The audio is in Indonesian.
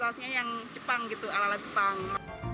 yang sausnya yang jepang gitu ala ala jepang